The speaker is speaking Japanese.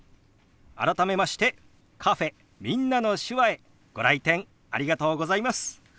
改めましてカフェ「みんなの手話」へご来店ありがとうございます。